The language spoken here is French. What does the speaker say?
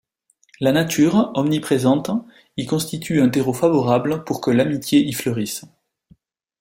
La nature, omniprésente, y constitue un terreau favorable pour que l’amitié y fleurisse.